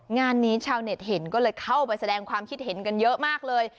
งานนี้ชาวเน็ตเห็นก็เลยเข้าไปแสดงความคิดเห็นกันเยอะมากเลย